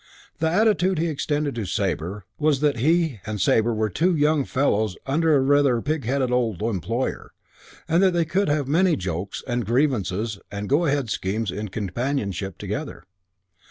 The attitude he extended to Sabre was that he and Sabre were two young fellows under a rather pig headed old employer and that they could have many jokes and grievances and go ahead schemes in companionship together.